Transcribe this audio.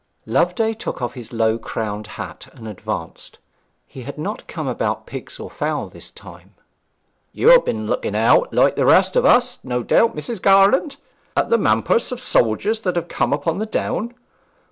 Loveday took off his low crowned hat and advanced. He had not come about pigs or fowls this time. 'You have been looking out, like the rest o' us, no doubt, Mrs. Garland, at the mampus of soldiers that have come upon the down?